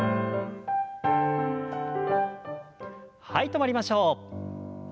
止まりましょう。